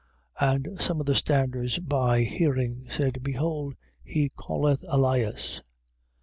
15:35. And some of the standers by hearing, said: Behold he calleth Elias.